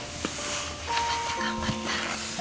頑張った頑張った。